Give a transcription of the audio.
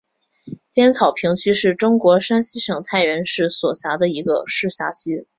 尖草坪区是中国山西省太原市所辖的一个市辖区。